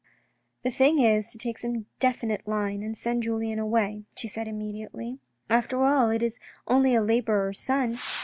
" The thing is to take some definite line and send Julien away," she said immediately, " after all it is only a labourer's son.